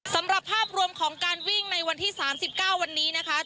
สำหรับภาพรวมของการวิ่งในวันที่๓๙วันนี้นะคะ